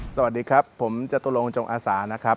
สวัสดีครับผมจตุลงจงอาศา